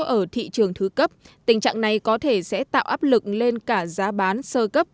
ở thị trường thứ cấp tình trạng này có thể sẽ tạo áp lực lên cả giá bán sơ cấp